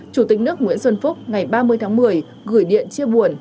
chủ tịch nước nguyễn xuân phúc ngày ba mươi tháng một mươi gửi điện chia buồn